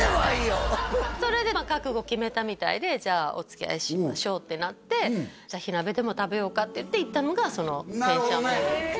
それでまあ覚悟決めたみたいでじゃあおつきあいしましょうってなってじゃあ火鍋でも食べようかって言って行ったのがその天香回味なるほどね